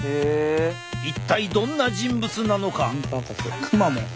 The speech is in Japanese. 一体どんな人物なのか？